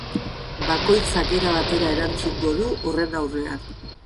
Bakoitzak era batera erantzungo du horren aurrean.